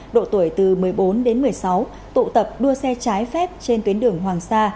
độ tuổi từ một mươi bốn đến một mươi sáu tụ tập đua xe trái phép trên tuyến đường hoàng sa